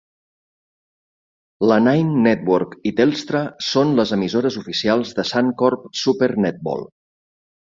La Nine Network i Telstra són les emissores oficials de Suncorp Super Netball.